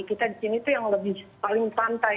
kita disini tuh yang paling pantai